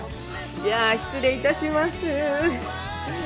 じゃあ失礼致します。